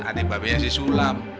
adik babenya si sulam